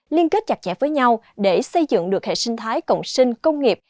liên kết chặt chẽ với nhau để xây dựng được hệ sinh thái cộng sinh công nghiệp